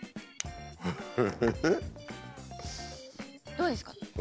どうですか？